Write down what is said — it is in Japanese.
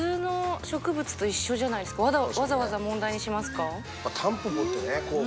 わざわざ問題にしますか？